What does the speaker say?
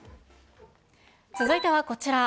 続いてはこちら。